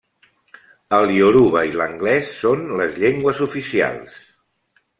El ioruba i l'anglès són les llengües oficials.